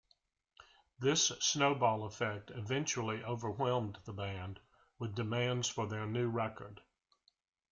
This snowball effect eventually overwhelmed the band with demands for their new record.